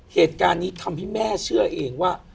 เหตุการณ์นี้ทำให้แม่เชื่อเองว่า